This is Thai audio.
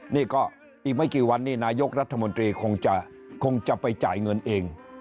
นี่ก็อีกไม่กี่วันนี้นายกรัฐมนตรีคงจะคงจะไปจ่ายเงินเอง